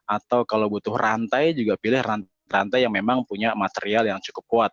atau kalau butuh rantai juga pilih rantai yang memang punya material yang cukup kuat